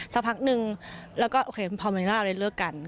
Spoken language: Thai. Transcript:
สักพักหนึ่งแล้วก็โอเคนะพี่พร้อมพรึงก็จะได้เลือกกัน